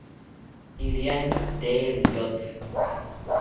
Iriani tee riyotzi